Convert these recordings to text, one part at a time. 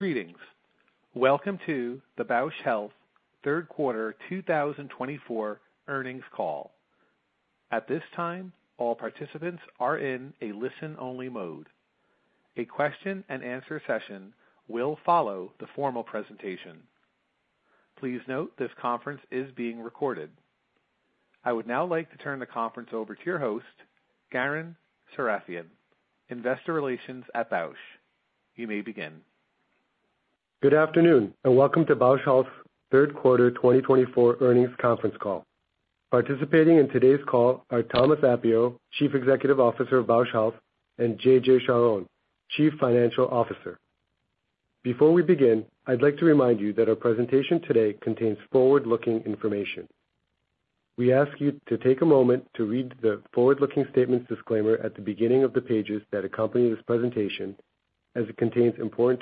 Greetings. Welcome to the Bausch Health third quarter 2024 earnings call. At this time, all participants are in a listen-only mode. A question-and-answer session will follow the formal presentation. Please note this conference is being recorded. I would now like to turn the conference over to your host, Garen Sarafian, Investor Relations at Bausch. You may begin. Good afternoon, and welcome to Bausch Health's third quarter 2024 earnings conference call. Participating in today's call are Thomas Appio, Chief Executive Officer of Bausch Health, and J.J. Charhon, Chief Financial Officer. Before we begin, I'd like to remind you that our presentation today contains forward-looking information. We ask you to take a moment to read the forward-looking statements disclaimer at the beginning of the pages that accompany this presentation, as it contains important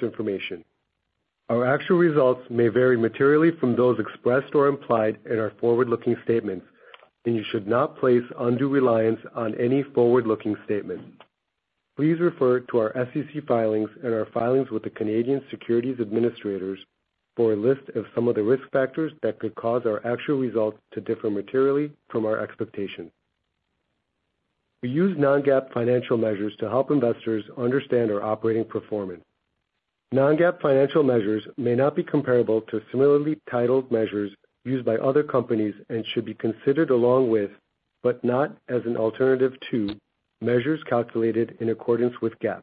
information. Our actual results may vary materially from those expressed or implied in our forward-looking statements, and you should not place undue reliance on any forward-looking statements. Please refer to our SEC filings and our filings with the Canadian Securities Administrators for a list of some of the risk factors that could cause our actual results to differ materially from our expectations. We use non-GAAP financial measures to help investors understand our operating performance. Non-GAAP financial measures may not be comparable to similarly titled measures used by other companies and should be considered along with, but not as an alternative to, measures calculated in accordance with GAAP.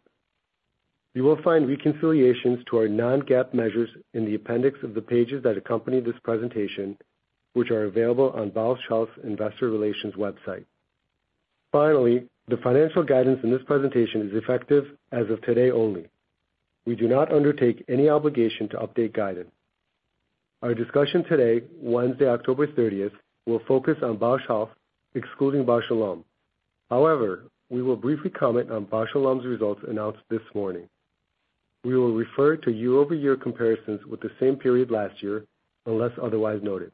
You will find reconciliations to our non-GAAP measures in the appendix of the pages that accompany this presentation, which are available on Bausch Health's Investor Relations website. Finally, the financial guidance in this presentation is effective as of today only. We do not undertake any obligation to update guidance. Our discussion today, Wednesday, October 30th, will focus on Bausch Health, excluding Bausch + Lomb. However, we will briefly comment on Bausch + Lomb's results announced this morning. We will refer to year-over-year comparisons with the same period last year, unless otherwise noted.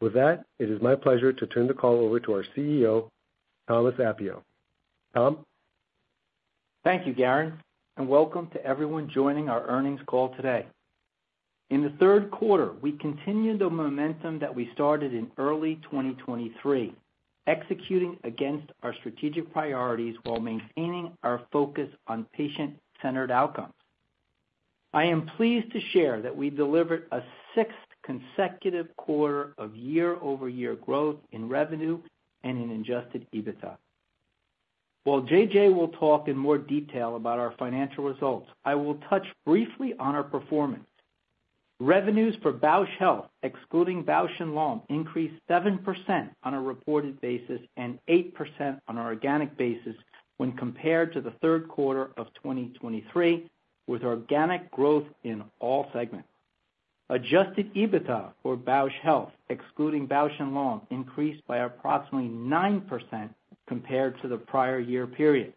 With that, it is my pleasure to turn the call over to our CEO, Thomas Appio. Tom? Thank you, Garen, and welcome to everyone joining our earnings call today. In the third quarter, we continued the momentum that we started in early 2023, executing against our strategic priorities while maintaining our focus on patient-centered outcomes. I am pleased to share that we delivered a sixth consecutive quarter of year-over-year growth in revenue and in Adjusted EBITDA. While J.J. will talk in more detail about our financial results, I will touch briefly on our performance. Revenues for Bausch Health, excluding Bausch + Lomb, increased 7% on a reported basis and 8% on an organic basis when compared to the third quarter of 2023, with organic growth in all segments. Adjusted EBITDA for Bausch Health, excluding Bausch + Lomb, increased by approximately 9% compared to the prior year period.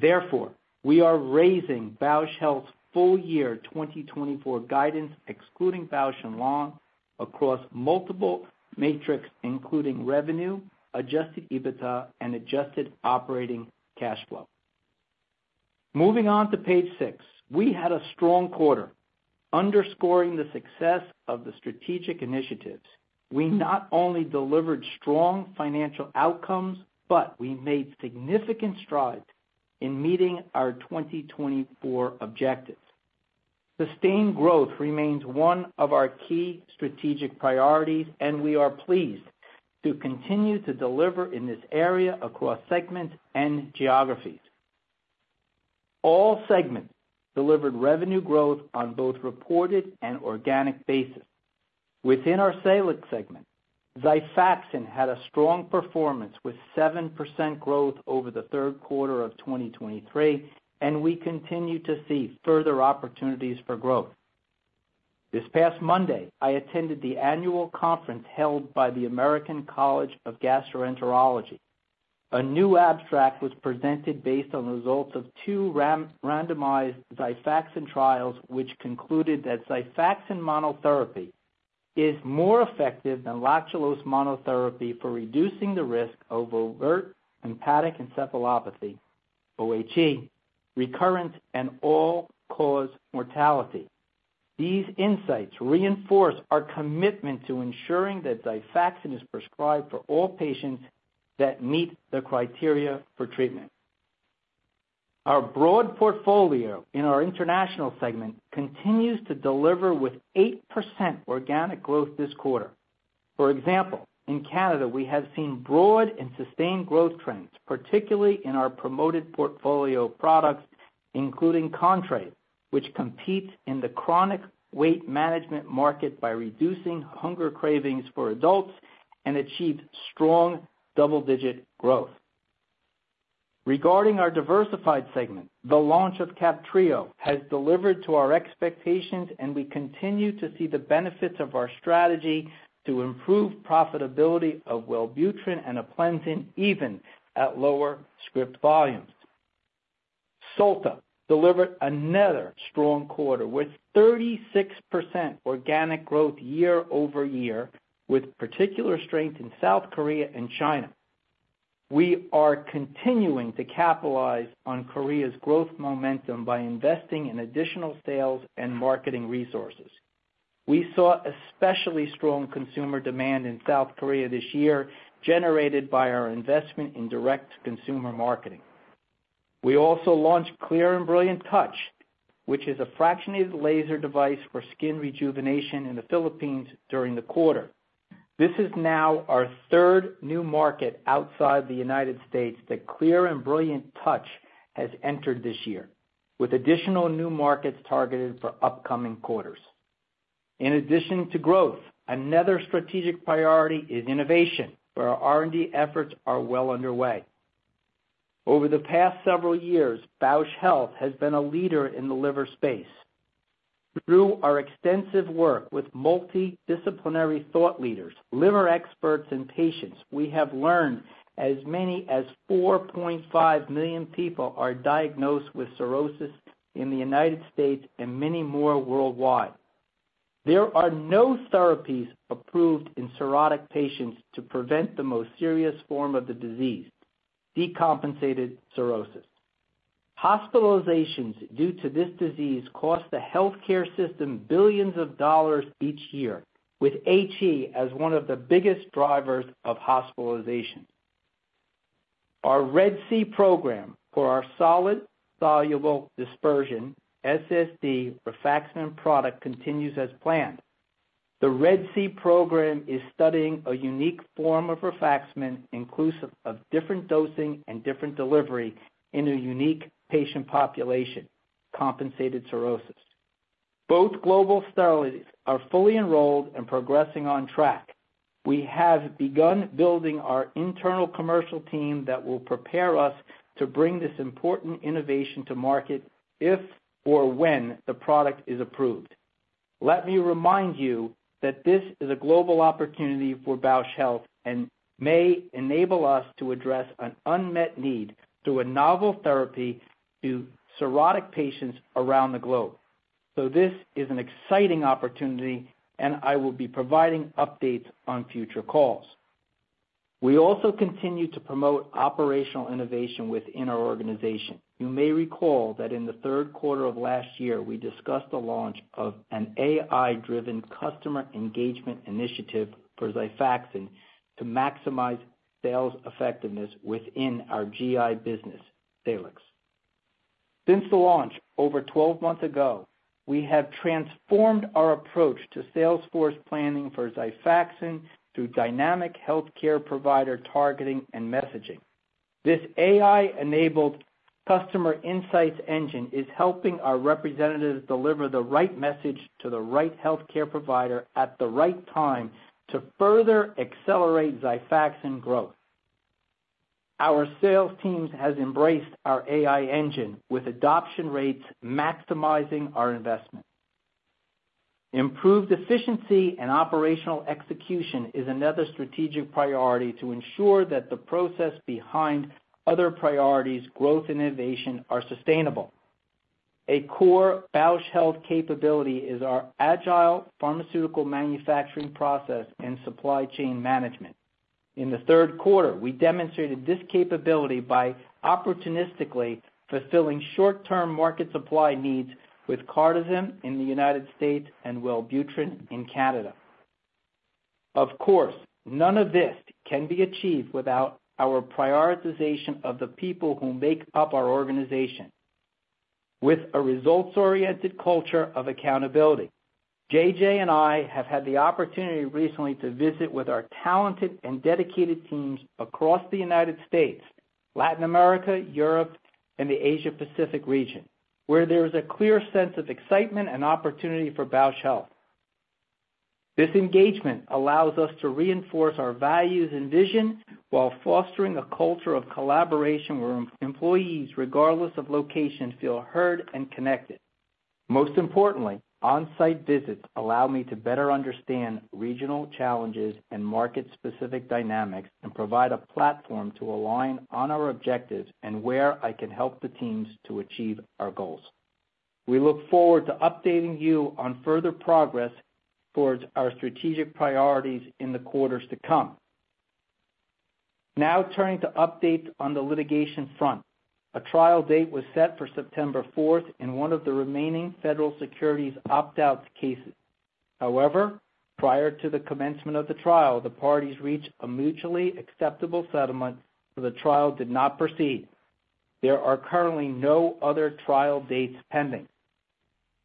Therefore, we are raising Bausch Health's full-year 2024 guidance, excluding Bausch + Lomb, across multiple metrics including revenue, Adjusted EBITDA, and adjusted operating cash flow. Moving on to page six, we had a strong quarter, underscoring the success of the strategic initiatives. We not only delivered strong financial outcomes, but we made significant strides in meeting our 2024 objectives. Sustained growth remains one of our key strategic priorities, and we are pleased to continue to deliver in this area across segments and geographies. All segments delivered revenue growth on both reported and organic basis. Within our Salix segment, Xifaxan had a strong performance with 7% growth over the third quarter of 2023, and we continue to see further opportunities for growth. This past Monday, I attended the annual conference held by the American College of Gastroenterology. A new abstract was presented based on the results of two randomized Xifaxan trials, which concluded that Xifaxan monotherapy is more effective than lactulose monotherapy for reducing the risk of overt hepatic encephalopathy, OHE, recurrent, and all-cause mortality. These insights reinforce our commitment to ensuring that Xifaxan is prescribed for all patients that meet the criteria for treatment. Our broad portfolio in our international segment continues to deliver with 8% organic growth this quarter. For example, in Canada, we have seen broad and sustained growth trends, particularly in our promoted portfolio products, including Contrave, which competes in the chronic weight management market by reducing hunger cravings for adults and achieves strong double-digit growth. Regarding our diversified segment, the launch of Cabtreo has delivered to our expectations, and we continue to see the benefits of our strategy to improve profitability of Wellbutrin and Aplenzin, even at lower script volumes. Solta delivered another strong quarter with 36% organic growth year-over-year, with particular strength in South Korea and China. We are continuing to capitalize on Korea's growth momentum by investing in additional sales and marketing resources. We saw especially strong consumer demand in South Korea this year, generated by our investment in direct consumer marketing. We also launched Clear + Brilliant Touch, which is a fractionated laser device for skin rejuvenation in the Philippines during the quarter. This is now our third new market outside the United States that Clear + Brilliant Touch has entered this year, with additional new markets targeted for upcoming quarters. In addition to growth, another strategic priority is innovation, where our R&D efforts are well underway. Over the past several years, Bausch Health has been a leader in the liver space. Through our extensive work with multidisciplinary thought leaders, liver experts, and patients, we have learned as many as 4.5 million people are diagnosed with cirrhosis in the United States and many more worldwide. There are no therapies approved in cirrhotic patients to prevent the most serious form of the disease, decompensated cirrhosis. Hospitalizations due to this disease cost the healthcare system billions of dollars each year, with HE as one of the biggest drivers of hospitalizations. Our RED-C program for our solid soluble dispersion SSD rifaximin product continues as planned. The RED-C program is studying a unique form of rifaximin, inclusive of different dosing and different delivery in a unique patient population, compensated cirrhosis. Both global studies are fully enrolled and progressing on track. We have begun building our internal commercial team that will prepare us to bring this important innovation to market if or when the product is approved. Let me remind you that this is a global opportunity for Bausch Health and may enable us to address an unmet need through a novel therapy to cirrhotic patients around the globe. So this is an exciting opportunity, and I will be providing updates on future calls. We also continue to promote operational innovation within our organization. You may recall that in the third quarter of last year, we discussed the launch of an AI-driven customer engagement initiative for Xifaxan to maximize sales effectiveness within our GI business, Salix. Since the launch over 12 months ago, we have transformed our approach to Salesforce planning for Xifaxan through dynamic healthcare provider targeting and messaging. This AI-enabled customer insights engine is helping our representatives deliver the right message to the right healthcare provider at the right time to further accelerate Xifaxan growth. Our sales teams have embraced our AI engine, with adoption rates maximizing our investment. Improved efficiency and operational execution is another strategic priority to ensure that the process behind other priorities' growth innovation is sustainable. A core Bausch Health capability is our agile pharmaceutical manufacturing process and supply chain management. In the third quarter, we demonstrated this capability by opportunistically fulfilling short-term market supply needs with Cardizem in the United States and Wellbutrin in Canada. Of course, none of this can be achieved without our prioritization of the people who make up our organization. With a results-oriented culture of accountability, J.J. And I have had the opportunity recently to visit with our talented and dedicated teams across the United States, Latin America, Europe, and the Asia-Pacific region, where there is a clear sense of excitement and opportunity for Bausch Health. This engagement allows us to reinforce our values and vision while fostering a culture of collaboration where employees, regardless of location, feel heard and connected. Most importantly, on-site visits allow me to better understand regional challenges and market-specific dynamics and provide a platform to align on our objectives and where I can help the teams to achieve our goals. We look forward to updating you on further progress towards our strategic priorities in the quarters to come. Now turning to updates on the litigation front, a trial date was set for September 4th in one of the remaining federal securities opt-out cases. However, prior to the commencement of the trial, the parties reached a mutually acceptable settlement, but the trial did not proceed. There are currently no other trial dates pending.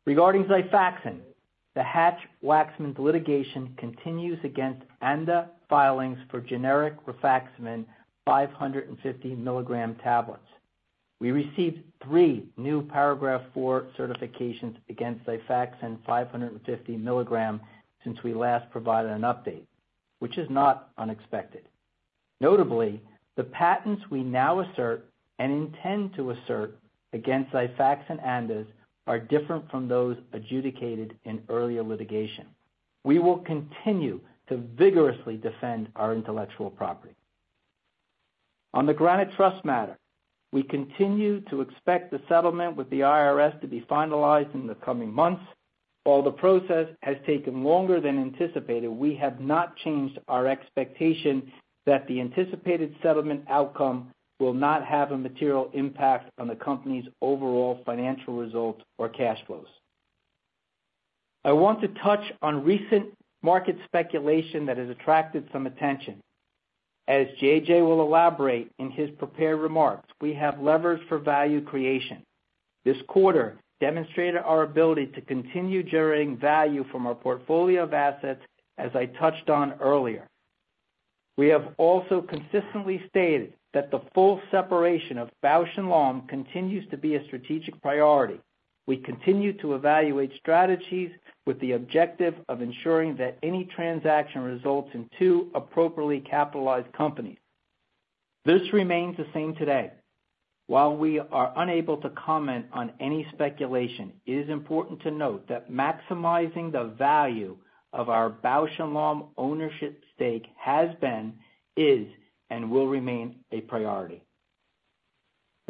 Regarding Xifaxan, the Hatch-Waxman litigation continues against ANDA filings for generic rifaximin 550-milligram tablets. We received three new Paragraph IV certifications against Xifaxan 550-milligram since we last provided an update, which is not unexpected. Notably, the patents we now assert and intend to assert against Xifaxan ANDAs are different from those adjudicated in earlier litigation. We will continue to vigorously defend our intellectual property. On the Granite Trust matter, we continue to expect the settlement with the IRS to be finalized in the coming months. While the process has taken longer than anticipated, we have not changed our expectation that the anticipated settlement outcome will not have a material impact on the company's overall financial results or cash flows. I want to touch on recent market speculation that has attracted some attention. As J.J. will elaborate in his prepared remarks, we have levers for value creation. This quarter demonstrated our ability to continue generating value from our portfolio of assets, as I touched on earlier. We have also consistently stated that the full separation of Bausch + Lomb continues to be a strategic priority. We continue to evaluate strategies with the objective of ensuring that any transaction results in two appropriately capitalized companies. This remains the same today. While we are unable to comment on any speculation, it is important to note that maximizing the value of our Bausch + Lomb ownership stake has been, is, and will remain a priority.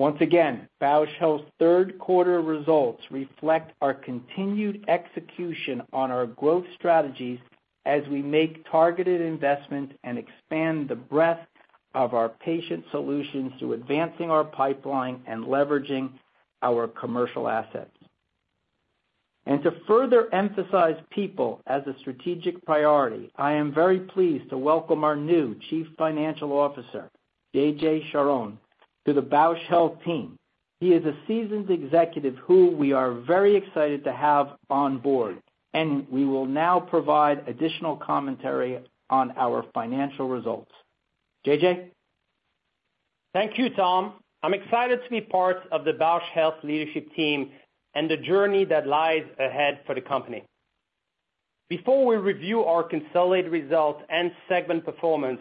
Once again, Bausch Health's third quarter results reflect our continued execution on our growth strategies as we make targeted investments and expand the breadth of our patient solutions through advancing our pipeline and leveraging our commercial assets. And to further emphasize people as a strategic priority, I am very pleased to welcome our new Chief Financial Officer, J.J. Charhon, to the Bausch Health team. He is a seasoned executive who we are very excited to have on board, and we will now provide additional commentary on our financial results. J.J. Thank you, Tom. I'm excited to be part of the Bausch Health leadership team and the journey that lies ahead for the company. Before we review our consolidated results and segment performance,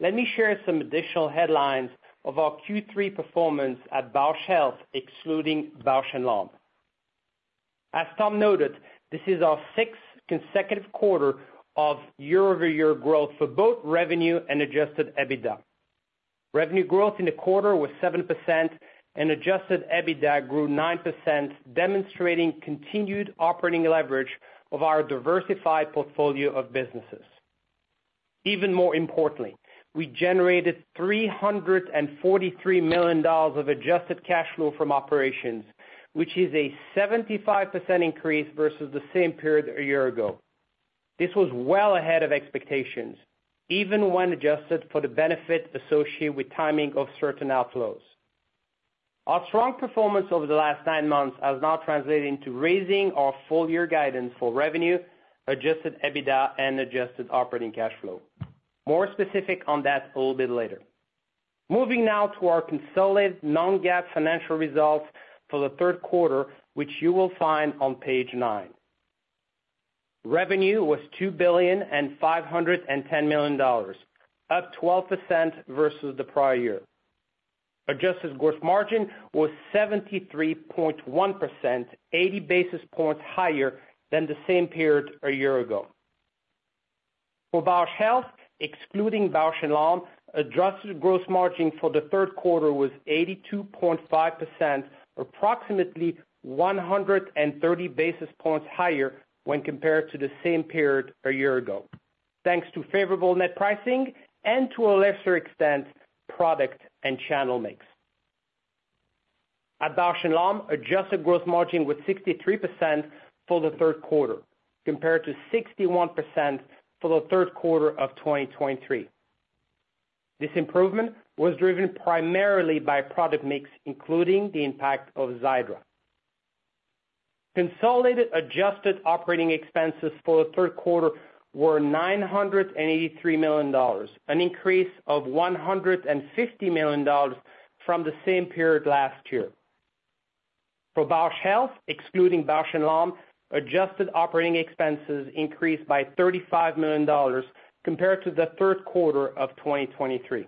let me share some additional headlines of our Q3 performance at Bausch Health, excluding Bausch + Lomb. As Tom noted, this is our sixth consecutive quarter of year-over-year growth for both revenue and Adjusted EBITDA. Revenue growth in the quarter was 7%, and Adjusted EBITDA grew 9%, demonstrating continued operating leverage of our diversified portfolio of businesses. Even more importantly, we generated $343 million of adjusted cash flow from operations, which is a 75% increase versus the same period a year ago. This was well ahead of expectations, even when adjusted for the benefit associated with timing of certain outflows. Our strong performance over the last nine months has now translated into raising our full-year guidance for revenue, Adjusted EBITDA, and adjusted operating cash flow. More specific on that a little bit later. Moving now to our consolidated non-GAAP financial results for the third quarter, which you will find on page nine. Revenue was $2,510 million, up 12% versus the prior year. Adjusted gross margin was 73.1%, 80 basis points higher than the same period a year ago. For Bausch Health, excluding Bausch + Lomb, adjusted gross margin for the third quarter was 82.5%, approximately 130 basis points higher when compared to the same period a year ago, thanks to favorable net pricing and to a lesser extent product and channel mix. At Bausch + Lomb, adjusted gross margin was 63% for the third quarter, compared to 61% for the third quarter of 2023. This improvement was driven primarily by product mix, including the impact of Xiidra. Consolidated adjusted operating expenses for the third quarter were $983 million, an increase of $150 million from the same period last year. For Bausch Health, excluding Bausch + Lomb, adjusted operating expenses increased by $35 million compared to the third quarter of 2023.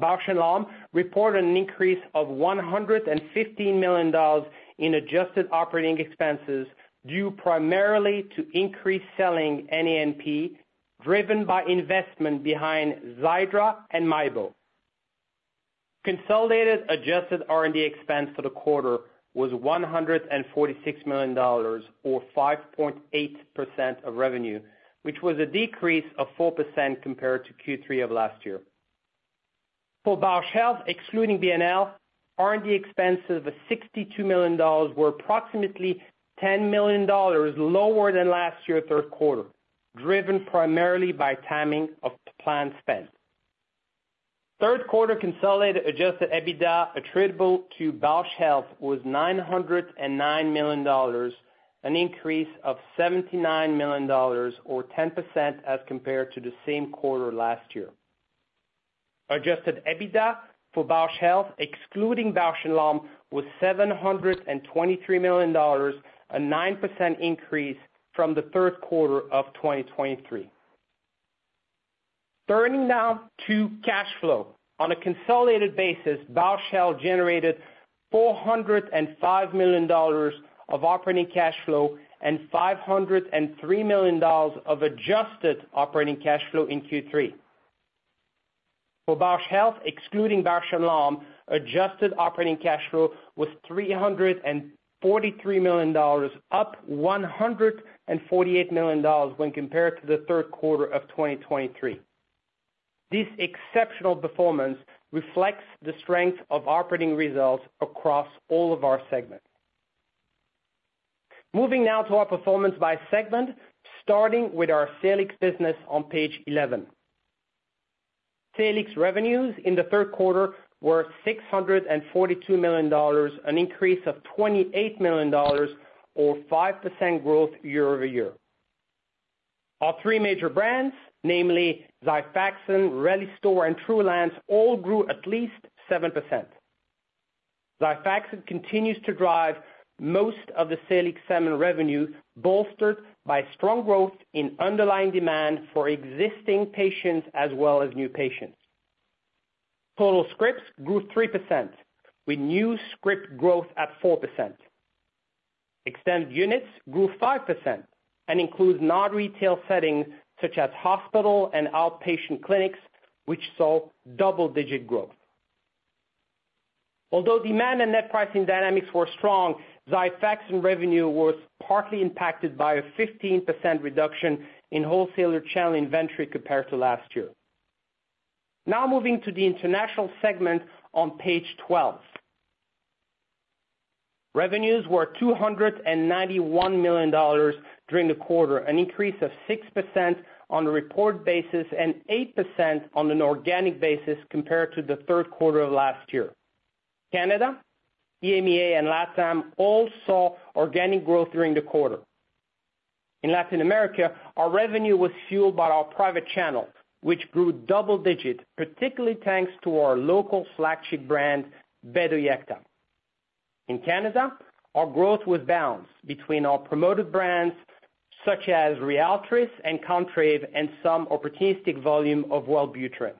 Bausch + Lomb reported an increase of $115 million in adjusted operating expenses due primarily to increased selling NA&P driven by investment behind Xiidra and MIEBO. Consolidated adjusted R&D expense for the quarter was $146 million, or 5.8% of revenue, which was a decrease of 4% compared to Q3 of last year. For Bausch Health, excluding BNL, R&D expenses of $62 million were approximately $10 million lower than last year's third quarter, driven primarily by timing of planned spend. Third quarter consolidated adjusted EBITDA attributable to Bausch Health was $909 million, an increase of $79 million, or 10% as compared to the same quarter last year. Adjusted EBITDA for Bausch Health, excluding Bausch + Lomb, was $723 million, a 9% increase from the third quarter of 2023. Turning now to cash flow. On a consolidated basis, Bausch Health generated $405 million of operating cash flow and $503 million of adjusted operating cash flow in Q3. For Bausch Health, excluding Bausch + Lomb, adjusted operating cash flow was $343 million, up $148 million when compared to the third quarter of 2023. This exceptional performance reflects the strength of operating results across all of our segments. Moving now to our performance by segment, starting with our Salix business on page 11. Salix revenues in the third quarter were $642 million, an increase of $28 million, or 5% growth year-over-year. Our three major brands, namely Xifaxan, Relistor, and Trulance, all grew at least 7%. Xifaxan continues to drive most of the Salix segment revenue, bolstered by strong growth in underlying demand for existing patients as well as new patients. Total scripts grew 3%, with new script growth at 4%. Extended units grew 5% and include non-retail settings such as hospital and outpatient clinics, which saw double-digit growth. Although demand and net pricing dynamics were strong, Xifaxan revenue was partly impacted by a 15% reduction in wholesaler channel inventory compared to last year. Now moving to the international segment on page 12. Revenues were $291 million during the quarter, an increase of 6% on a reported basis and 8% on an organic basis compared to the third quarter of last year. Canada, EMEA, and LATAM all saw organic growth during the quarter. In Latin America, our revenue was fueled by our private channel, which grew double-digit, particularly thanks to our local flagship brand, Bedoyecta. In Canada, our growth was balanced between our promoted brands such as Ryaltris and Contrave and some opportunistic volume of Wellbutrin.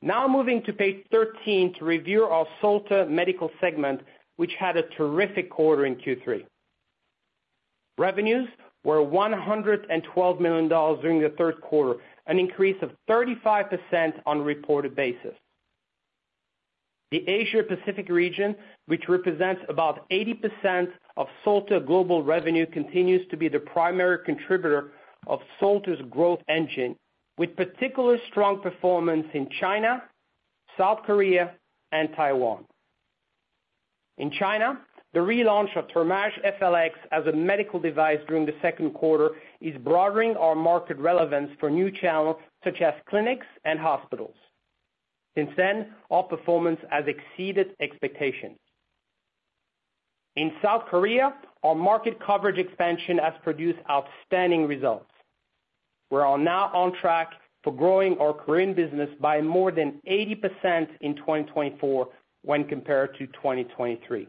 Now moving to page 13 to review our Solta Medical segment, which had a terrific quarter in Q3. Revenues were $112 million during the third quarter, an increase of 35% on a reported basis. The Asia-Pacific region, which represents about 80% of Solta Medical global revenue, continues to be the primary contributor of Solta Medical's growth engine, with particular strong performance in China, South Korea, and Taiwan. In China, the relaunch of Thermage FLX as a medical device during the second quarter is broadening our market relevance for new channels such as clinics and hospitals. Since then, our performance has exceeded expectations. In South Korea, our market coverage expansion has produced outstanding results. We are now on track for growing our Korean business by more than 80% in 2024 when compared to 2023.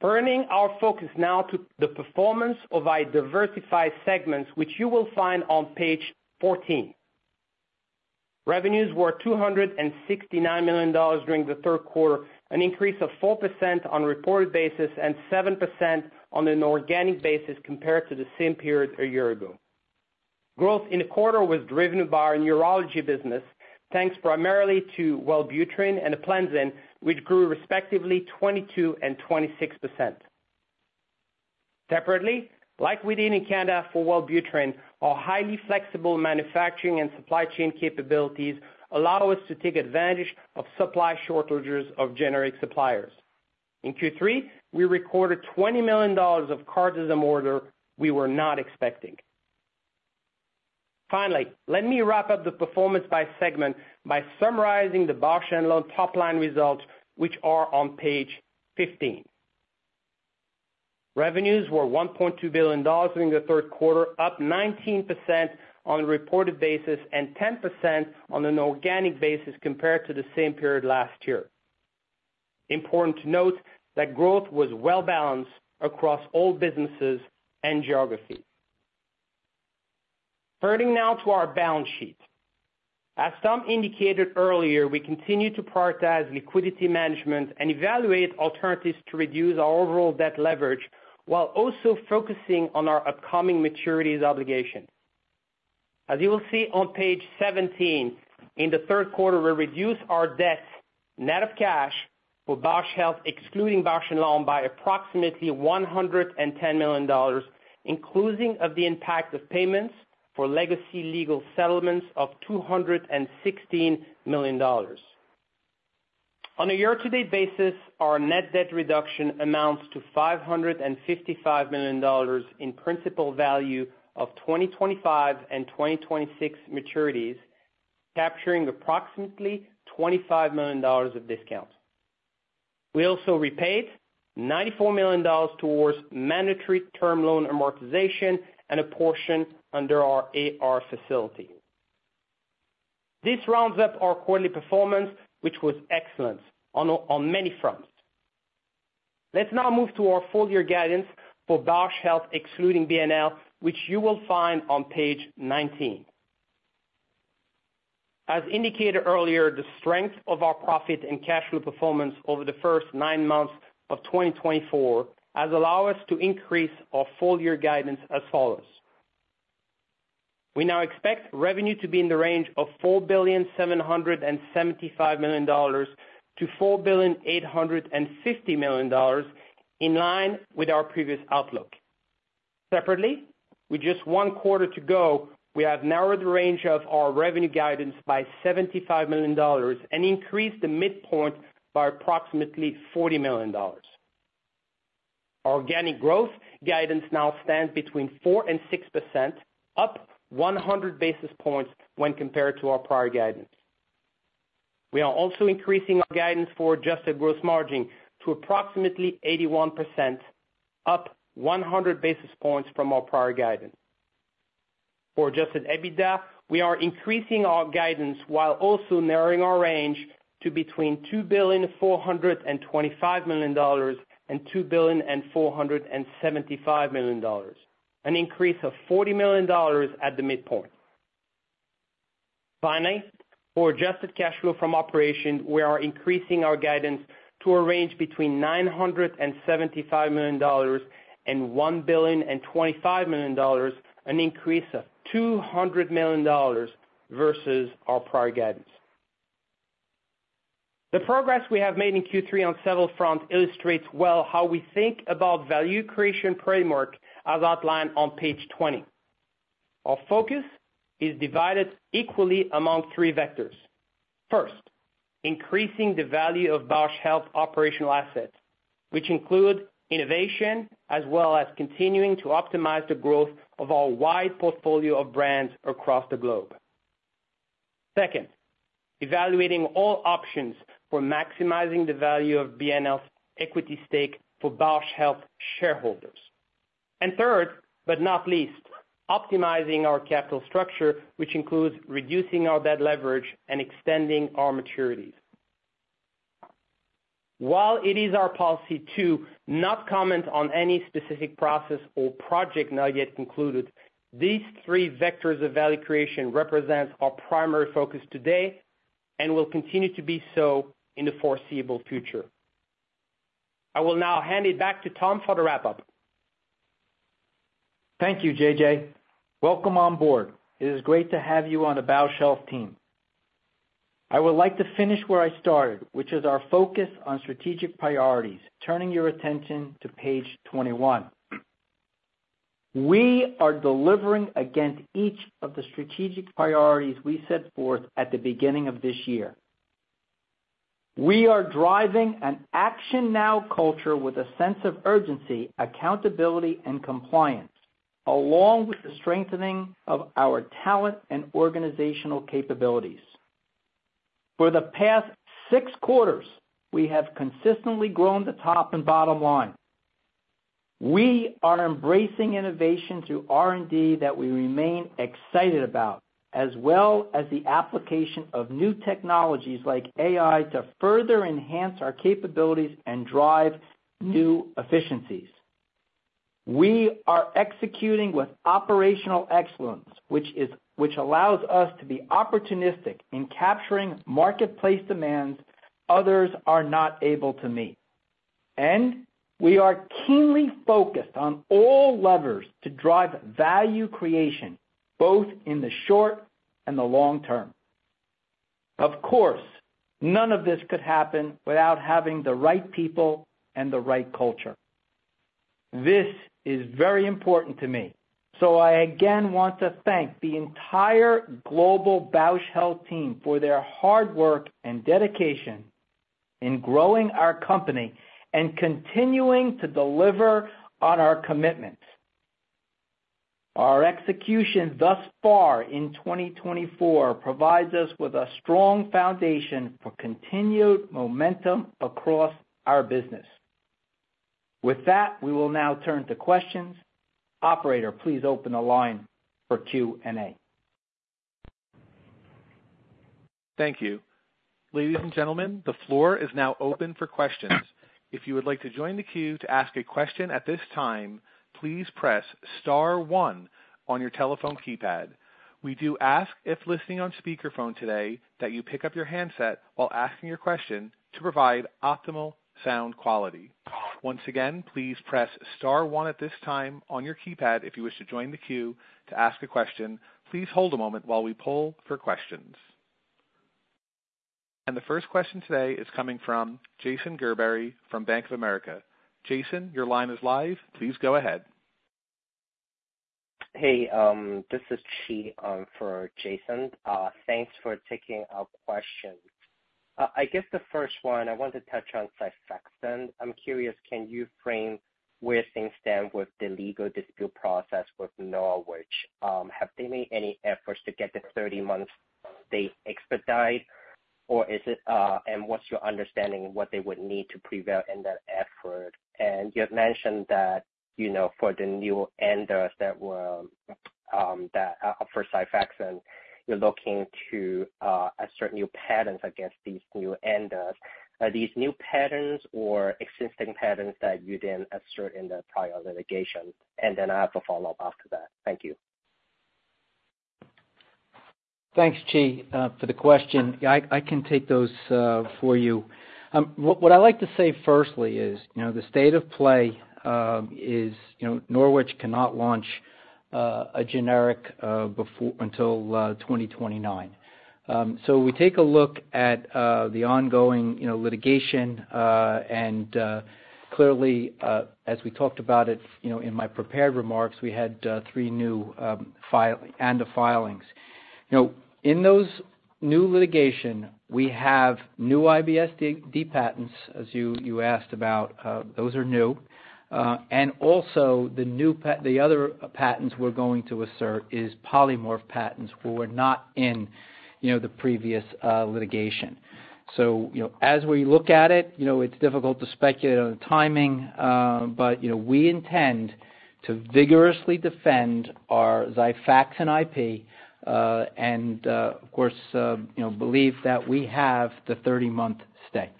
Turning our focus now to the performance of our diversified segments, which you will find on page 14. Revenues were $269 million during the third quarter, an increase of 4% on a reported basis and 7% on an organic basis compared to the same period a year ago. Growth in the quarter was driven by our neurology business, thanks primarily to Wellbutrin and Aplenzin, which grew respectively 22% and 26%. Separately, like we did in Canada for Wellbutrin, our highly flexible manufacturing and supply chain capabilities allow us to take advantage of supply shortages of generic suppliers. In Q3, we recorded $20 million of Cardizem orders we were not expecting. Finally, let me wrap up the performance by segment by summarizing the Bausch + Lomb top-line results, which are on page 15. Revenues were $1.2 billion during the third quarter, up 19% on a reported basis and 10% on an organic basis compared to the same period last year. Important to note that growth was well-balanced across all businesses and geographies. Turning now to our balance sheet. As Tom indicated earlier, we continue to prioritize liquidity management and evaluate alternatives to reduce our overall debt leverage while also focusing on our upcoming maturities obligation. As you will see on page 17, in the third quarter, we reduced our debt net of cash for Bausch Health, excluding Bausch + Lomb, by approximately $110 million, including the impact of payments for legacy legal settlements of $216 million. On a year-to-date basis, our net debt reduction amounts to $555 million in principal value of 2025 and 2026 maturities, capturing approximately $25 million of discount. We also repaid $94 million towards mandatory term loan amortization and a portion under our AR facility. This rounds up our quarterly performance, which was excellent on many fronts. Let's now move to our full-year guidance for Bausch Health, excluding BNL, which you will find on page 19. As indicated earlier, the strength of our profit and cash flow performance over the first nine months of 2024 has allowed us to increase our full-year guidance as follows. We now expect revenue to be in the range of $4,775 million-$4,850 million, in line with our previous outlook. Separately, with just one quarter to go, we have narrowed the range of our revenue guidance by $75 million and increased the midpoint by approximately $40 million. Organic growth guidance now stands between 4% and 6%, up 100 basis points when compared to our prior guidance. We are also increasing our guidance for adjusted gross margin to approximately 81%, up 100 basis points from our prior guidance. For Adjusted EBITDA, we are increasing our guidance while also narrowing our range to between $2,425 million and $2,475 million, an increase of $40 million at the midpoint. Finally, for adjusted cash flow from operations, we are increasing our guidance to a range between $975 million and $1,025 million, an increase of $200 million versus our prior guidance. The progress we have made in Q3 on several fronts illustrates well how we think about value creation framework as outlined on page 20. Our focus is divided equally among three vectors. First, increasing the value of Bausch Health operational assets, which include innovation as well as continuing to optimize the growth of our wide portfolio of brands across the globe. Second, evaluating all options for maximizing the value of B&L's equity stake for Bausch Health shareholders. And third, but not least, optimizing our capital structure, which includes reducing our debt leverage and extending our maturities. While it is our policy to not comment on any specific process or project not yet concluded, these three vectors of value creation represent our primary focus today and will continue to be so in the foreseeable future. I will now hand it back to Tom for the wrap-up. Thank you, JJ. Welcome on board. It is great to have you on the Bausch Health team. I would like to finish where I started, which is our focus on strategic priorities, turning your attention to page 21. We are delivering against each of the strategic priorities we set forth at the beginning of this year. We are driving an action-now culture with a sense of urgency, accountability, and compliance, along with the strengthening of our talent and organizational capabilities. For the past six quarters, we have consistently grown the top and bottom line. We are embracing innovation through R&D that we remain excited about, as well as the application of new technologies like AI to further enhance our capabilities and drive new efficiencies. We are executing with operational excellence, which allows us to be opportunistic in capturing marketplace demands others are not able to meet. And we are keenly focused on all levers to drive value creation, both in the short and the long term. Of course, none of this could happen without having the right people and the right culture. This is very important to me, so I again want to thank the entire global Bausch Health team for their hard work and dedication in growing our company and continuing to deliver on our commitments. Our execution thus far in 2024 provides us with a strong foundation for continued momentum across our business. With that, we will now turn to questions. Operator, please open the line for Q&A. Thank you. Ladies and gentlemen, the floor is now open for questions. If you would like to join the queue to ask a question at this time, please press star one on your telephone keypad. We do ask if listening on speakerphone today that you pick up your handset while asking your question to provide optimal sound quality. Once again, please press star one at this time on your keypad if you wish to join the queue to ask a question. Please hold a moment while we pull for questions. And the first question today is coming from Jason Gerbery from Bank of America. Jason, your line is live. Please go ahead. Hey, this is Chi for Jason. Thanks for taking our question. I guess the first one, I want to touch on Xifaxan. I'm curious, can you frame where things stand with the legal dispute process with Norwich? Have they made any efforts to get the 30-month stay expedited, and what's your understanding of what they would need to prevail in that effort? And you had mentioned that for the new ANDAs that were for Xifaxan, you're looking to assert new patents against these new ANDAs. Are these new patents or existing patents that you didn't assert in the prior litigation? And then I have a follow-up after that. Thank you. Thanks, Chi, for the question. I can take those for you. What I'd like to say firstly is the state of play is Norwich cannot launch a generic until 2029. So we take a look at the ongoing litigation, and clearly, as we talked about it in my prepared remarks, we had three new ANDA filings. In those new litigation, we have new IBS-D patents, as you asked about. Those are new. And also, the other patents we're going to assert is polymorph patents who were not in the previous litigation. So as we look at it, it's difficult to speculate on the timing, but we intend to vigorously defend our Xifaxan IP and, of course, believe that we have the 30-month stay.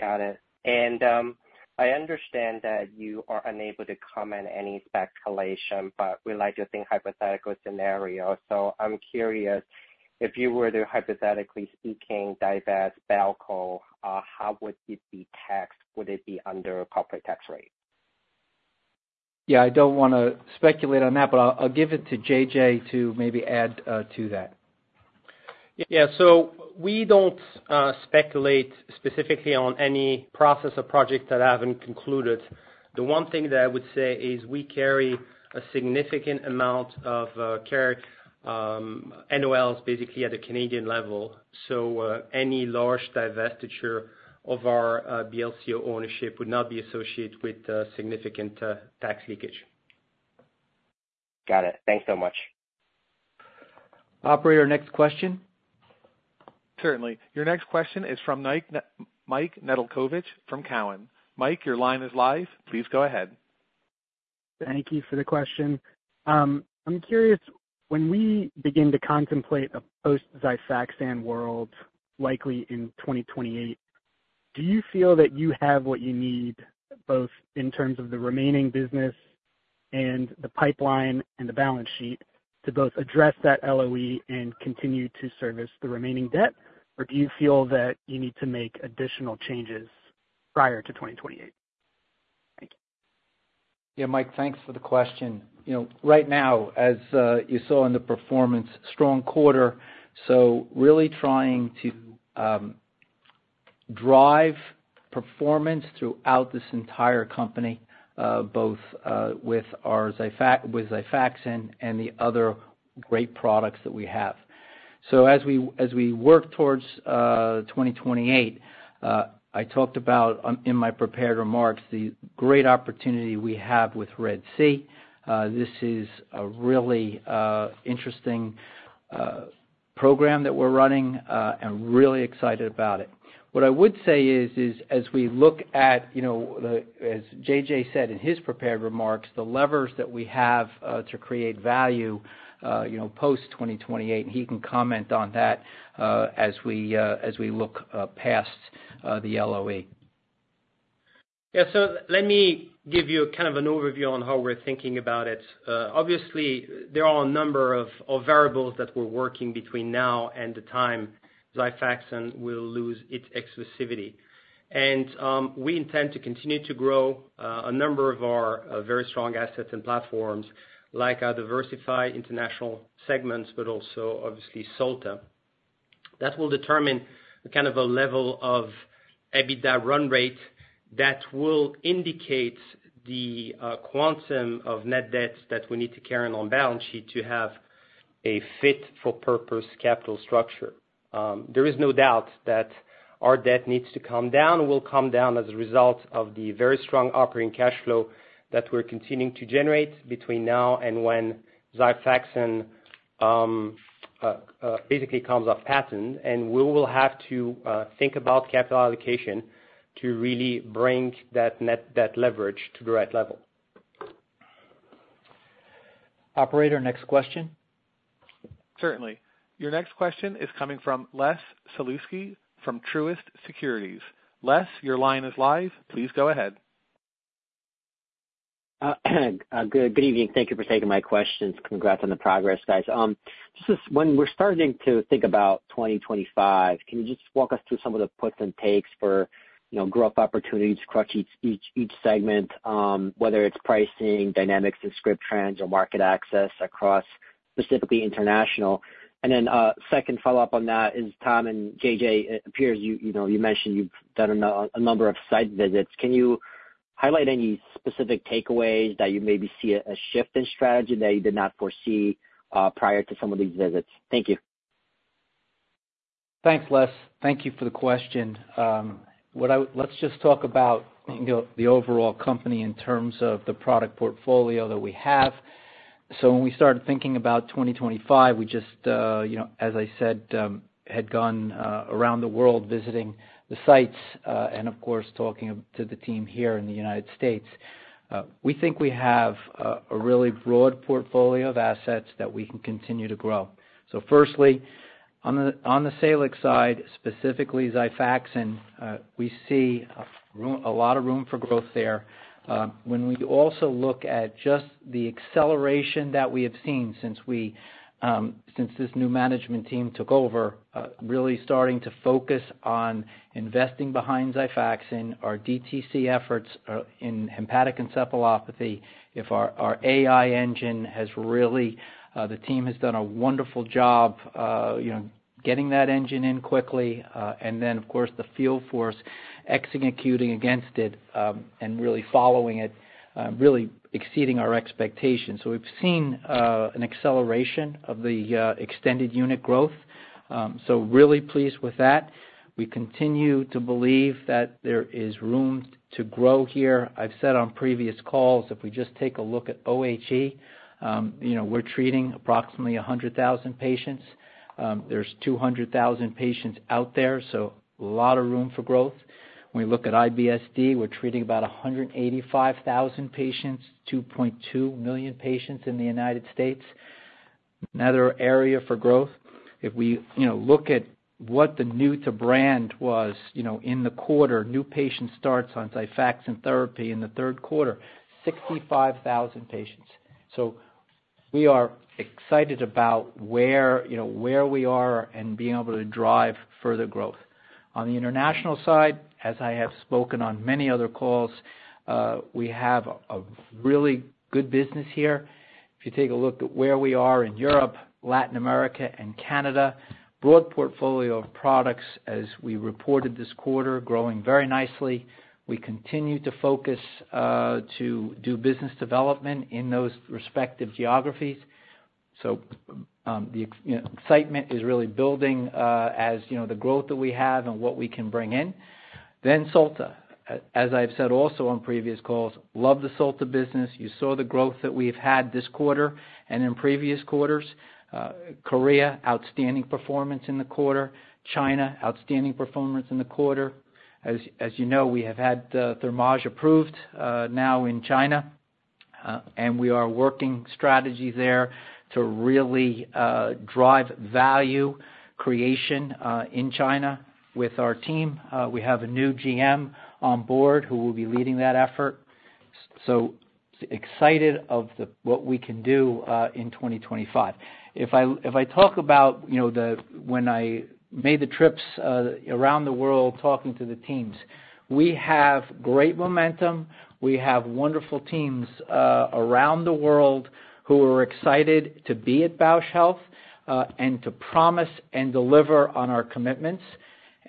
Got it. And I understand that you are unable to comment on any speculation, but we like to think hypothetical scenarios. So I'm curious, if you were to hypothetically speaking, divest Bausch + Lomb, how would it be taxed? Would it be under a corporate tax rate? Yeah, I don't want to speculate on that, but I'll give it to JJ to maybe add to that. Yeah, so we don't speculate specifically on any process or project that I haven't concluded. The one thing that I would say is we carry a significant amount of NOLs, basically at the Canadian level. So any large divestiture of our BLCO ownership would not be associated with significant tax leakage. Got it. Thanks so much. Operator, next question. Certainly. Your next question is from Mike Nedelcovych from TD Cowen. Mike, your line is live. Please go ahead. Thank you for the question. I'm curious, when we begin to contemplate a post-Xifaxan world likely in 2028, do you feel that you have what you need both in terms of the remaining business and the pipeline and the balance sheet to both address that LOE and continue to service the remaining debt, or do you feel that you need to make additional changes prior to 2028? Thank you. Yeah, Mike, thanks for the question. Right now, as you saw in the performance, strong quarter. So really trying to drive performance throughout this entire company, both with Xifaxan and the other great products that we have. So as we work towards 2028, I talked about in my prepared remarks the great opportunity we have with Red Sea. This is a really interesting program that we're running and really excited about it. What I would say is, as we look at, as J.J. said in his prepared remarks, the levers that we have to create value post-2028, and he can comment on that as we look past the LOE. Yeah, so let me give you kind of an overview on how we're thinking about it. Obviously, there are a number of variables that we're working between now and the time Xifaxan will lose its exclusivity, and we intend to continue to grow a number of our very strong assets and platforms, like our diversified international segments, but also, obviously, Solta. That will determine kind of a level of EBITDA run rate that will indicate the quantum of net debts that we need to carry on our balance sheet to have a fit-for-purpose capital structure. There is no doubt that our debt needs to come down. It will come down as a result of the very strong operating cash flow that we're continuing to generate between now and when Xifaxan basically comes off patent, and we will have to think about capital allocation to really bring that leverage to the right level. Operator, next question. Certainly. Your next question is coming from Les Sulewski from Truist Securities. Les, your line is live. Please go ahead. Good evening. Thank you for taking my questions. Congrats on the progress, guys. Just when we're starting to think about 2025, can you just walk us through some of the puts and takes for growth opportunities, across each segment, whether it's pricing, dynamics, and script trends, or market access across specifically international? And then second follow-up on that is Tom and JJ, it appears you mentioned you've done a number of site visits. Can you highlight any specific takeaways that you maybe see a shift in strategy that you did not foresee prior to some of these visits? Thank you. Thanks, Les. Thank you for the question. Let's just talk about the overall company in terms of the product portfolio that we have. So when we started thinking about 2025, we just, as I said, had gone around the world visiting the sites and, of course, talking to the team here in the United States. We think we have a really broad portfolio of assets that we can continue to grow. So firstly, on the Salix side, specifically Xifaxan, we see a lot of room for growth there. When we also look at just the acceleration that we have seen since this new management team took over, really starting to focus on investing behind Xifaxan, our DTC efforts in hepatic encephalopathy, our AI engine has really—the team has done a wonderful job getting that engine in quickly, and then, of course, the field force executing against it and really following it, really exceeding our expectations. So we've seen an acceleration of the extended unit growth. So really pleased with that. We continue to believe that there is room to grow here. I've said on previous calls, if we just take a look at OHE, we're treating approximately 100,000 patients. There's 200,000 patients out there, so a lot of room for growth. When we look at IBS-D, we're treating about 185,000 patients, 2.2 million patients in the United States. Another area for growth, if we look at what the new-to-brand was in the quarter, new patient starts on Xifaxan therapy in the third quarter, 65,000 patients, so we are excited about where we are and being able to drive further growth. On the international side, as I have spoken on many other calls, we have a really good business here. If you take a look at where we are in Europe, Latin America, and Canada, broad portfolio of products as we reported this quarter, growing very nicely. We continue to focus to do business development in those respective geographies, so the excitement is really building as the growth that we have and what we can bring in, then SOLTA, as I've said also on previous calls, love the SOLTA business. You saw the growth that we've had this quarter and in previous quarters. Korea, outstanding performance in the quarter. China, outstanding performance in the quarter. As you know, we have had Thermage approved now in China, and we are working strategy there to really drive value creation in China with our team. We have a new GM on board who will be leading that effort. So excited of what we can do in 2025. If I talk about when I made the trips around the world talking to the teams, we have great momentum. We have wonderful teams around the world who are excited to be at Bausch Health and to promise and deliver on our commitments,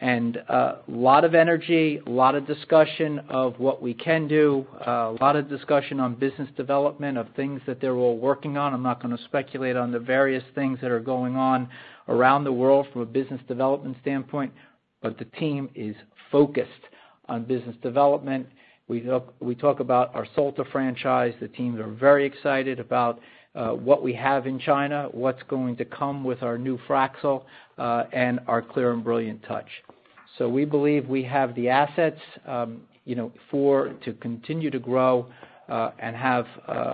and a lot of energy, a lot of discussion of what we can do, a lot of discussion on business development of things that they're all working on. I'm not going to speculate on the various things that are going on around the world from a business development standpoint, but the team is focused on business development. We talk about our Solta franchise. The teams are very excited about what we have in China, what's going to come with our new Fraxel, and our Clear + Brilliant Touch, so we believe we have the assets to continue to grow and have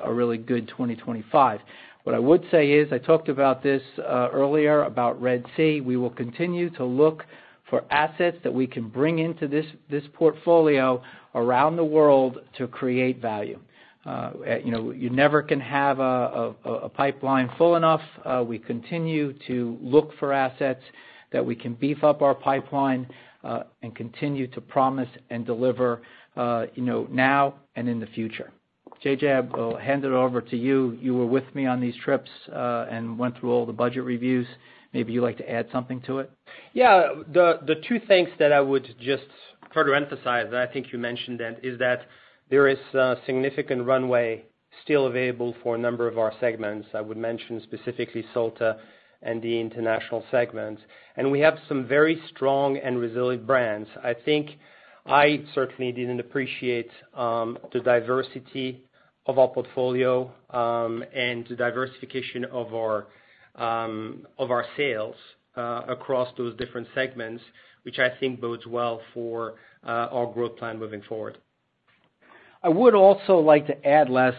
a really good 2025. What I would say is, I talked about this earlier about Red Sea. We will continue to look for assets that we can bring into this portfolio around the world to create value. You never can have a pipeline full enough. We continue to look for assets that we can beef up our pipeline and continue to promise and deliver now and in the future. JJ, I'll hand it over to you. You were with me on these trips and went through all the budget reviews. Maybe you'd like to add something to it. Yeah, the two things that I would just further emphasize, I think you mentioned that, is that there is a significant runway still available for a number of our segments. I would mention specifically Solta and the international segment, and we have some very strong and resilient brands. I think I certainly didn't appreciate the diversity of our portfolio and the diversification of our sales across those different segments, which I think bodes well for our growth plan moving forward. I would also like to add, Les,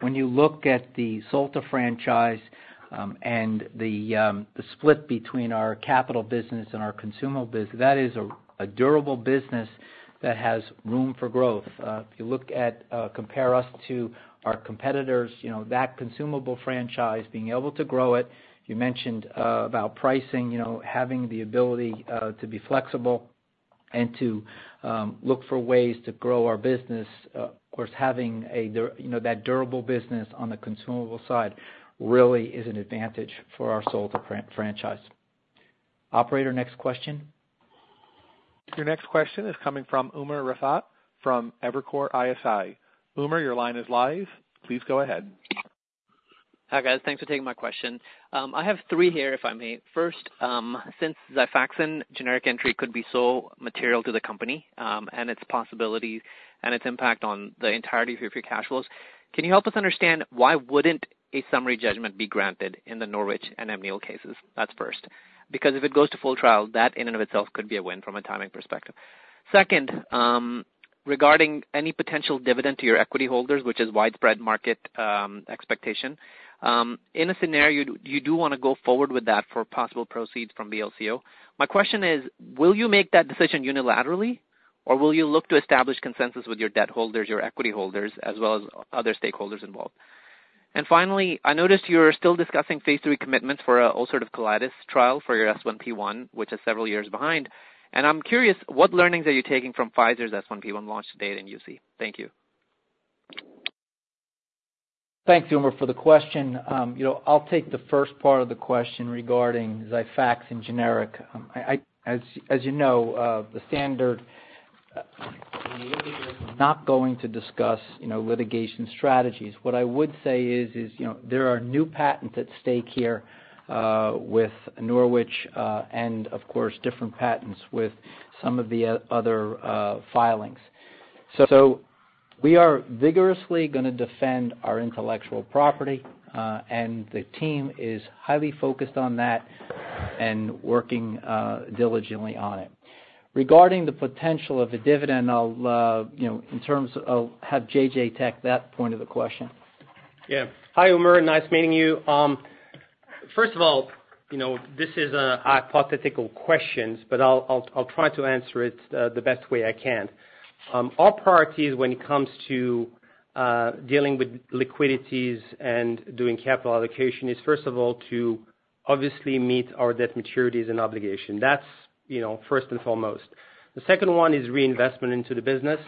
when you look at the Solta franchise and the split between our capital business and our consumable business, that is a durable business that has room for growth. If you look at compare us to our competitors, that consumable franchise being able to grow it, you mentioned about pricing, having the ability to be flexible and to look for ways to grow our business, of course, having that durable business on the consumable side really is an advantage for our Solta franchise. Operator, next question. Your next question is coming from Umer Raffat from Evercore ISI. Umar, your line is live. Please go ahead. Hi guys. Thanks for taking my question. I have three here, if I may. First, since Xifaxan generic entry could be so material to the company and its possibilities and its impact on the entirety of your cash flows, can you help us understand why wouldn't a summary judgment be granted in the Norwich and MDL cases? That's first. Because if it goes to full trial, that in and of itself could be a win from a timing perspective. Second, regarding any potential dividend to your equity holders, which is widespread market expectation, in a scenario you do want to go forward with that for possible proceeds from BLCO, my question is, will you make that decision unilaterally, or will you look to establish consensus with your debt holders, your equity holders, as well as other stakeholders involved? And finally, I noticed you're still discussing phase three commitments for an ulcerative colitis trial for your S1P1, which is several years behind. And I'm curious, what learnings are you taking from Pfizer's S1P1 launch today at UC? Thank you. Thanks, Umar, for the question. I'll take the first part of the question regarding Xifaxan generic. As you know, the standard is not going to discuss litigation strategies. What I would say is there are new patents at stake here with Norwich and, of course, different patents with some of the other filings. So we are vigorously going to defend our intellectual property, and the team is highly focused on that and working diligently on it. Regarding the potential of a dividend, in terms of have JJ take that point of the question. Yeah. Hi, Umar. Nice meeting you. First of all, this is a hypothetical question, but I'll try to answer it the best way I can. Our priorities when it comes to dealing with liquidities and doing capital allocation is, first of all, to obviously meet our debt maturities and obligations. That's first and foremost. The second one is reinvestment into the business.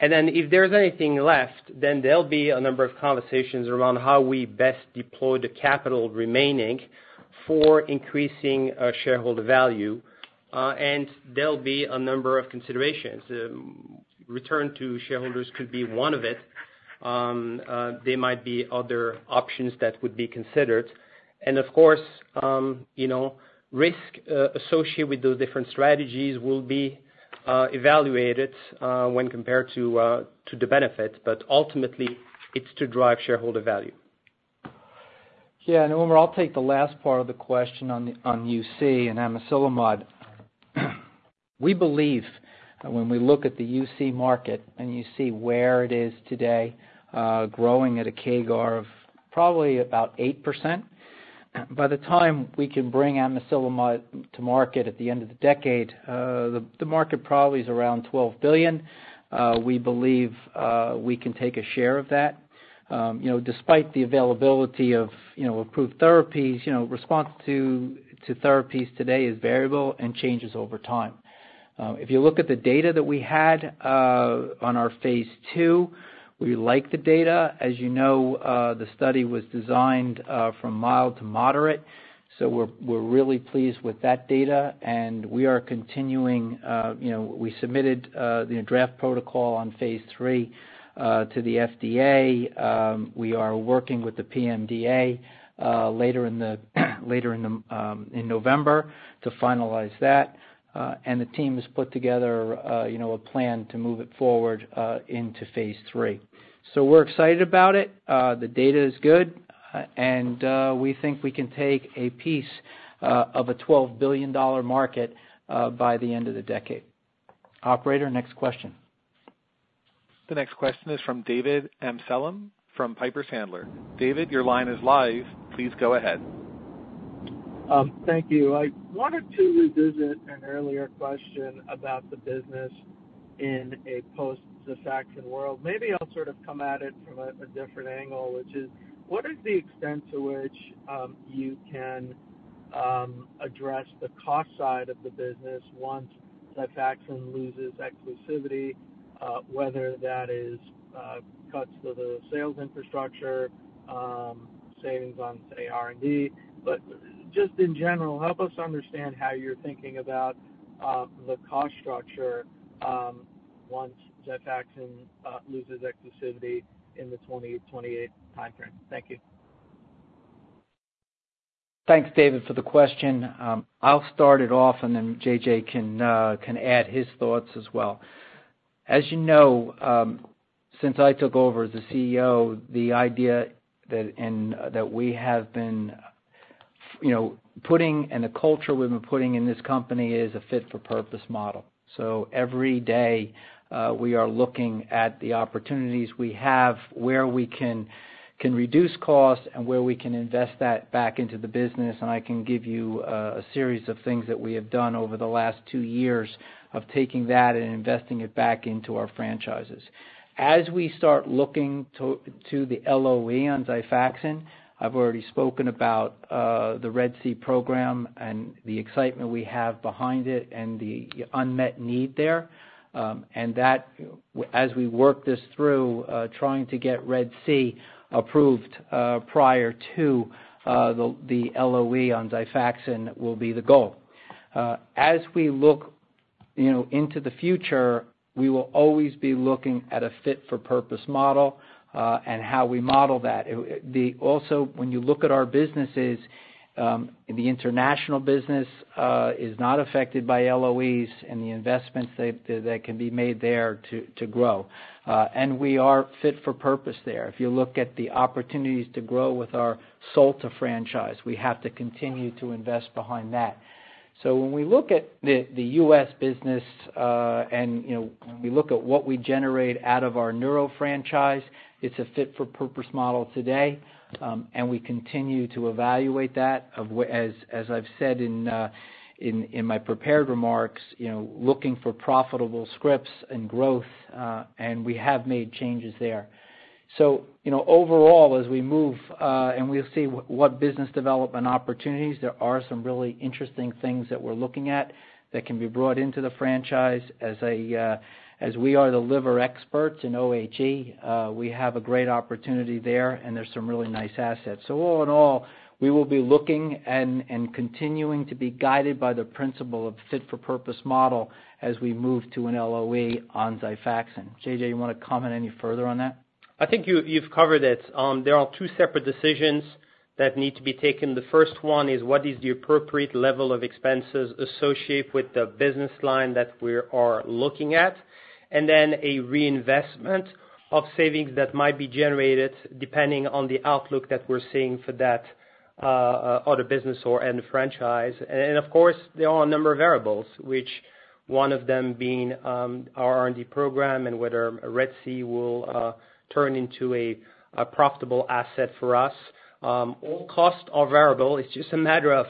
And then if there's anything left, then there'll be a number of conversations around how we best deploy the capital remaining for increasing shareholder value. And there'll be a number of considerations. Return to shareholders could be one of it. There might be other options that would be considered. And of course, risk associated with those different strategies will be evaluated when compared to the benefits, but ultimately, it's to drive shareholder value. Yeah. And Umar, I'll take the last part of the question on UC and Amiselimod. We believe when we look at the UC market and you see where it is today, growing at a CAGR of probably about 8%, by the time we can bring Amiselimod to market at the end of the decade, the market probably is around $12 billion. We believe we can take a share of that. Despite the availability of approved therapies, response to therapies today is variable and changes over time. If you look at the data that we had on our phase two, we like the data. As you know, the study was designed from mild to moderate, so we're really pleased with that data, and we are continuing, we submitted the draft protocol on phase three to the FDA. We are working with the PMDA later in November to finalize that, and the team has put together a plan to move it forward into phase three, so we're excited about it. The data is good, and we think we can take a piece of a $12 billion market by the end of the decade. Operator, next question. The next question is from David Amsellem from Piper Sandler. David, your line is live. Please go ahead. Thank you. I wanted to revisit an earlier question about the business in a post-Xifaxan world. Maybe I'll sort of come at it from a different angle, which is, what is the extent to which you can address the cost side of the business once Xifaxan loses exclusivity, whether that is cuts to the sales infrastructure, savings on, say, R&D? But just in general, help us understand how you're thinking about the cost structure once Xifaxan loses exclusivity in the 2028 timeframe. Thank you. Thanks, David, for the question. I'll start it off, and then JJ can add his thoughts as well. As you know, since I took over as the CEO, the idea that we have been putting and the culture we've been putting in this company is a fit-for-purpose model. So every day, we are looking at the opportunities we have where we can reduce costs and where we can invest that back into the business. And I can give you a series of things that we have done over the last two years of taking that and investing it back into our franchises. As we start looking to the LOE on Xifaxan, I've already spoken about the RED-C program and the excitement we have behind it and the unmet need there. And as we work this through, trying to get RED-C approved prior to the LOE on Xifaxan will be the goal. As we look into the future, we will always be looking at a fit-for-purpose model and how we model that. Also, when you look at our businesses, the international business is not affected by LOEs and the investments that can be made there to grow. We are fit-for-purpose there. If you look at the opportunities to grow with our Solta franchise, we have to continue to invest behind that. So when we look at the U.S. business and we look at what we generate out of our Neuro franchise, it's a fit-for-purpose model today. And we continue to evaluate that, as I've said in my prepared remarks, looking for profitable scripts and growth. And we have made changes there. So overall, as we move and we'll see what business development opportunities, there are some really interesting things that we're looking at that can be brought into the franchise. As we are the liver experts in OHE, we have a great opportunity there, and there's some really nice assets. So all in all, we will be looking and continuing to be guided by the principle of fit-for-purpose model as we move to an LOE on Xifaxan. JJ, you want to comment any further on that? I think you've covered it. There are two separate decisions that need to be taken. The first one is, what is the appropriate level of expenses associated with the business line that we are looking at? And then a reinvestment of savings that might be generated depending on the outlook that we're seeing for that other business or end franchise. And of course, there are a number of variables, which one of them being our R&D program and whether RED-C will turn into a profitable asset for us. All costs are variable. It's just a matter of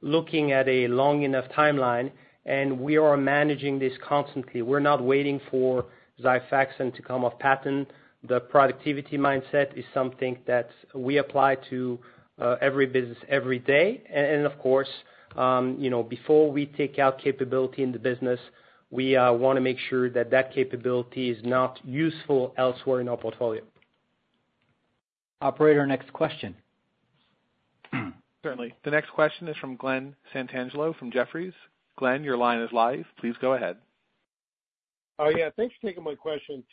looking at a long enough timeline. And we are managing this constantly. We're not waiting for Xifaxan to come off patent. The productivity mindset is something that we apply to every business every day. And of course, before we take out capability in the business, we want to make sure that that capability is not useful elsewhere in our portfolio. Operator, next question. Certainly. The next question is from Glen Santangelo from Jefferies. Glen, your line is live. Please go ahead. Oh, yeah. Thanks for taking my question.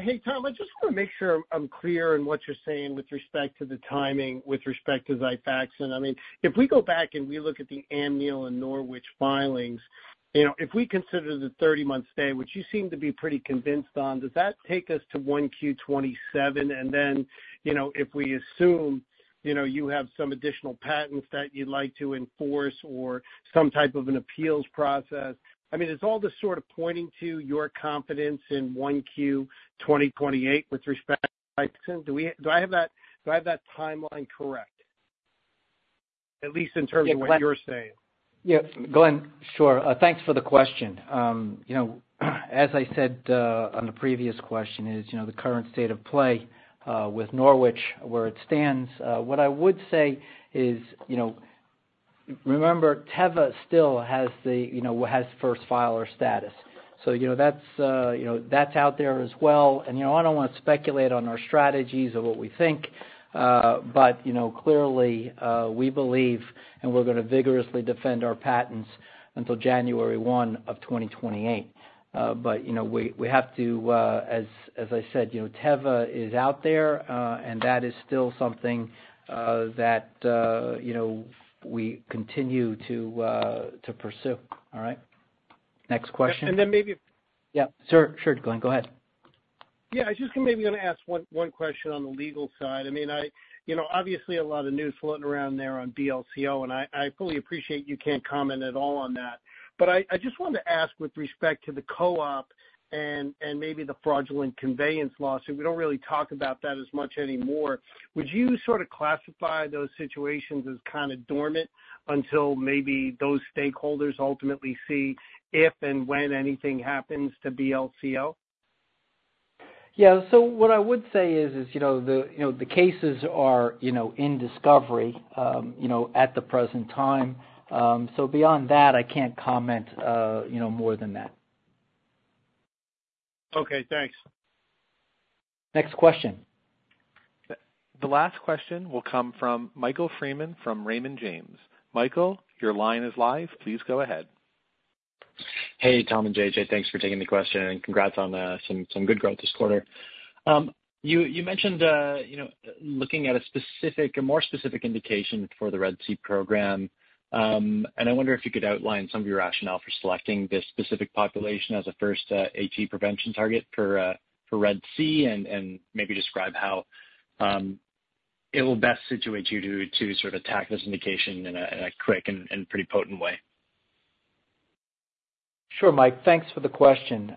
Hey, Tom, I just want to make sure I'm clear in what you're saying with respect to the timing, with respect to Xifaxan. I mean, if we go back and we look at the MDL and Norwich filings, if we consider the 30-month stay, which you seem to be pretty convinced on, does that take us to 1Q27? And then if we assume you have some additional patents that you'd like to enforce or some type of an appeals process, I mean, is all this sort of pointing to your confidence in 1Q28 with respect to Xifaxan? Do I have that timeline correct, at least in terms of what you're saying? Yeah. Glen, sure. Thanks for the question. As I said on the previous question, the current state of play with Norwich, where it stands, what I would say is, remember, Teva still has first filer status. So that's out there as well. And I don't want to speculate on our strategies or what we think, but clearly, we believe and we're going to vigorously defend our patents until January 1 of 2028. But we have to, as I said, Teva is out there, and that is still something that we continue to pursue. All right? Next question. And then maybe. Yep. Sure, sure, Glen. Go ahead. Yeah. I just maybe going to ask one question on the legal side. I mean, obviously, a lot of news floating around there on BLCO, and I fully appreciate you can't comment at all on that. But I just wanted to ask with respect to the co-op and maybe the fraudulent conveyance lawsuit. We don't really talk about that as much anymore. Would you sort of classify those situations as kind of dormant until maybe those stakeholders ultimately see if and when anything happens to BLCO? Yeah. So what I would say is the cases are in discovery at the present time. So beyond that, I can't comment more than that. Okay. Thanks. Next question. The last question will come from Michael Freeman from Raymond James. Michael, your line is live. Please go ahead. Hey, Tom and JJ. Thanks for taking the question and congrats on some good growth this quarter. You mentioned looking at a more specific indication for the RED-C program and I wonder if you could outline some of your rationale for selecting this specific population as a first HE prevention target for RED-C and maybe describe how it will best situate you to sort of attack this indication in a quick and pretty potent way. Sure, Mike. Thanks for the question.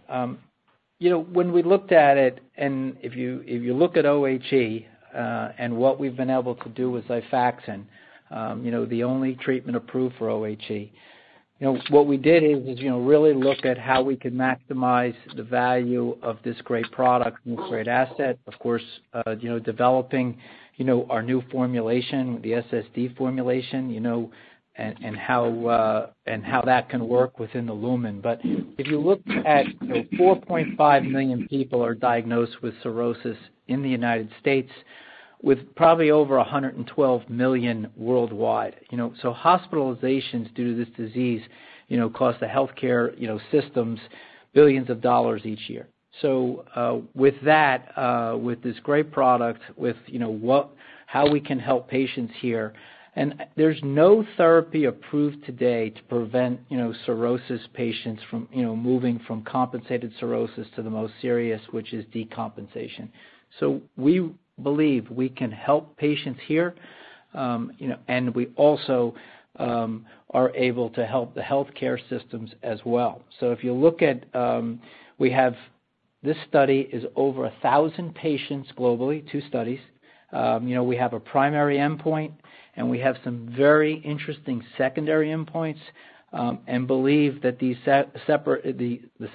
When we looked at it, and if you look at OHE and what we've been able to do with Xifaxan, the only treatment approved for OHE, what we did is really look at how we could maximize the value of this great product and this great asset, of course, developing our new formulation, the SSD formulation, and how that can work within the lumen. But if you look at 4.5 million people are diagnosed with cirrhosis in the United States, with probably over 112 million worldwide. So hospitalizations due to this disease cost the healthcare systems billions of dollars each year. So with that, with this great product, with how we can help patients here, and there's no therapy approved today to prevent cirrhosis patients from moving from compensated cirrhosis to the most serious, which is decompensation. So we believe we can help patients here, and we also are able to help the healthcare systems as well. So if you look at this study is over 1,000 patients globally, two studies. We have a primary endpoint, and we have some very interesting secondary endpoints. Believe that the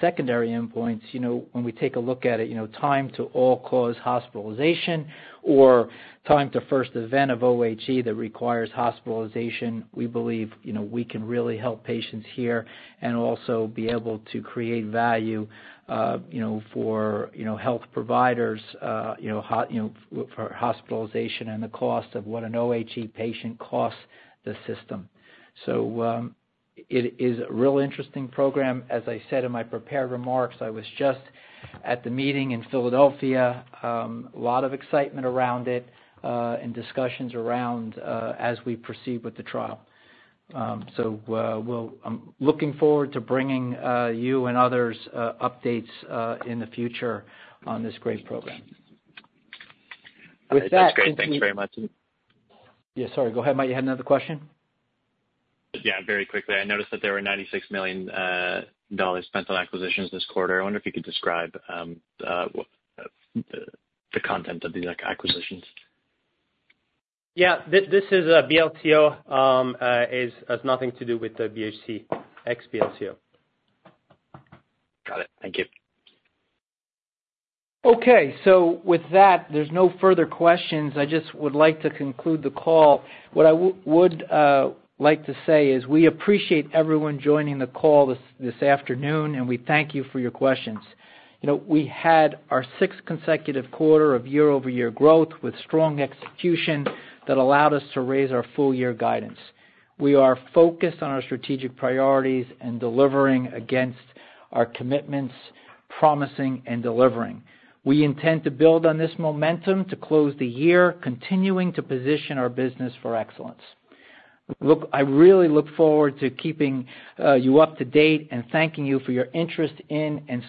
secondary endpoints, when we take a look at it, time to all-cause hospitalization or time to first event of OHE that requires hospitalization, we believe we can really help patients here and also be able to create value for health providers for hospitalization and the cost of what an OHE patient costs the system. So it is a real interesting program. As I said in my prepared remarks, I was just at the meeting in Philadelphia, a lot of excitement around it and discussions around as we proceed with the trial. So I'm looking forward to bringing you and others updates in the future on this great program. With that, thanks very much. Yeah. Sorry. Go ahead. Mike, you had another question? Yeah. Very quickly, I noticed that there were $96 million spent on acquisitions this quarter. I wonder if you could describe the content of these acquisitions. Yeah. This is BLCO has nothing to do with the BHC, ex-BLCO. Got it. Thank you. Okay. So with that, there's no further questions. I just would like to conclude the call. What I would like to say is we appreciate everyone joining the call this afternoon, and we thank you for your questions. We had our sixth consecutive quarter of year-over-year growth with strong execution that allowed us to raise our full-year guidance. We are focused on our strategic priorities and delivering against our commitments, promising, and delivering. We intend to build on this momentum to close the year, continuing to position our business for excellence. I really look forward to keeping you up to date and thanking you for your interest in and.